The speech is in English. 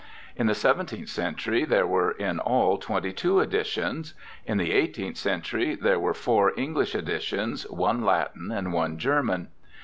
In the seventeenth century there were in all twenty two editions. In the eighteenth century there were four English editions, one Latin, and one German.